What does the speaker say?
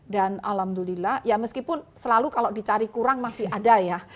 dan alhamdulillah ya meskipun selalu kalau dicari kurang masih ada ya